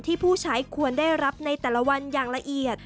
ผู้ใช้ควรได้รับในแต่ละวันอย่างละเอียด